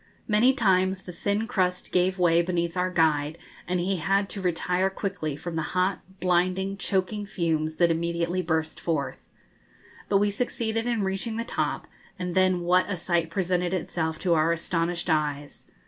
Many times the thin crust gave way beneath our guide, and he had to retire quickly from the hot, blinding, choking fumes that immediately burst forth. But we succeeded in reaching the top; and then what a sight presented itself to our astonished eyes!